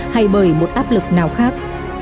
hay bởi một áp lực nào khác